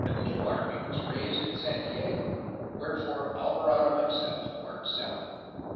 A new army was raised at San Diego, wherefore Alvarado him self marched south.